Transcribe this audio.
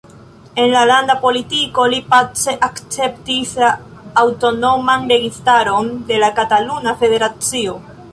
En la landa politiko, li pace akceptis la aŭtonoman registaron de la Kataluna Federacio.